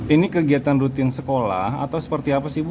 ini kegiatan rutin sekolah atau seperti apa sih bu